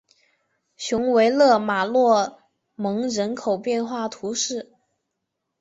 雄维勒马洛蒙人口变化图示